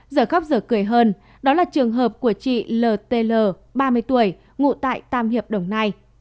giờ khóc giờ cười hơn đó là trường hợp của chị l t l ba mươi tuổi ngụ tại tam hiệp đồng nai